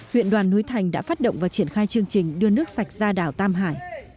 huyện đoàn núi thành đã phát động và triển khai chương trình đưa nước sạch ra đảo tam hải